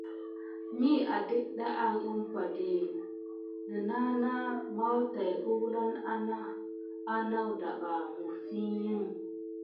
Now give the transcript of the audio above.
Mi ade əɗɗa aŋ umpa di, nənah na maw tay ulane anawda ɓa. Məfi i.